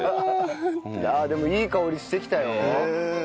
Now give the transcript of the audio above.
あっでもいい香りしてきたよ。